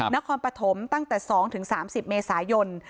นครปฐมตั้งแต่๒๓๐เมษายน